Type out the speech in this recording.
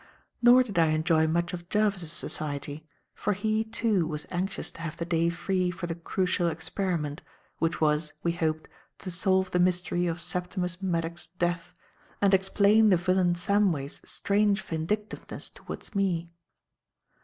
Nor did I enjoy much of Jervis's society, for he, too, was anxious to have the day free for the "Crucial Experiment," which was we hoped to solve the mystery of Septimus Maddock's death and explain the villain Samway's strange vindictiveness towards me.